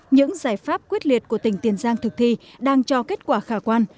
những giải pháp quyết liệt của tỉnh tiền giang thực thi đang cho kết quả khả quan